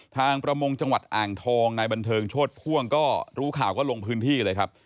ประมงจังหวัดอ่างทองนายบันเทิงโชธพ่วงก็รู้ข่าวก็ลงพื้นที่เลยครับ